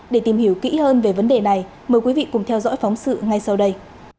để tìm hiểu kỹ hơn về vấn đề này mời quý vị cùng theo dõi phóng sự ngay sau đây